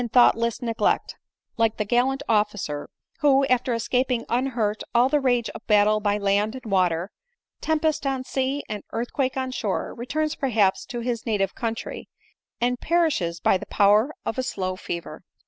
thoughtless neglect ;— like the gallant officer, who, after escaping unhurt all the rage of battle by land and water, tempest on sea and earthquake on shore, returns perhaps to his native country, and per ishes by the power of a slow fever.